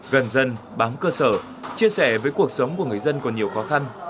gần dân bám cơ sở chia sẻ với cuộc sống của người dân còn nhiều khó khăn